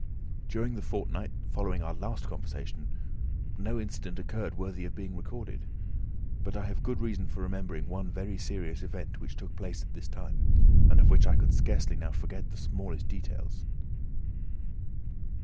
During the fortnight following our last conversation, no incident occurred worthy of being recorded. But I have good reason for remembering one very serious event which took place at this time, and of which I could scarcely now forget the smallest details.